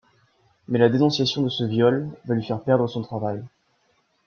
Mais la dénonciation de ce viol va lui faire perdre son travail.